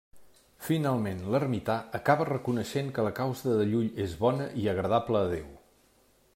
Finalment, l'ermità acaba reconeixent que la causa de Llull és bona i agradable a Déu.